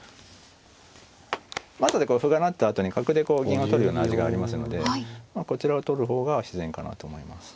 後で歩が成ったあとに角でこう銀を取るような味がありますのでこちらを取る方が自然かなと思います。